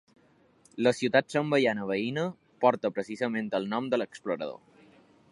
La ciutat zambiana veïna porta precisament el nom de l'explorador.